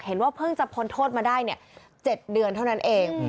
ว่าเพิ่งจะพ้นโทษมาได้๗เดือนเท่านั้นเอง